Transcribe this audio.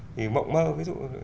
thì mộng mơ ví dụ